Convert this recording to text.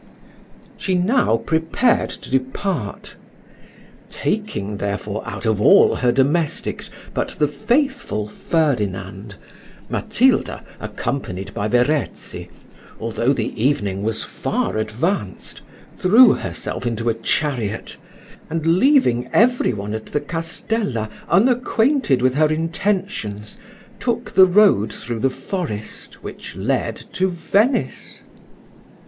She now prepared to depart. Taking, therefore, out of all her domestics, but the faithful Ferdinand, Matilda, accompanied by Verezzi, although the evening was far advanced, threw herself into a chariot, and leaving every one at the castella unacquainted with her intentions, took the road through the forest which led to Venice.